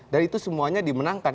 dan itu semuanya dimenangkan